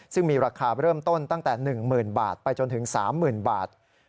ซึ่งมีราคาเริ่มต้นตั้งแต่๑๐๐๐บาทไปจนถึง๓๐๐๐บาท